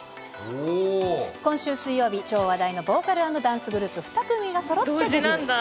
今週水曜日、超話題のボーカル＆ダンスグループ、２組がそろってデビュー。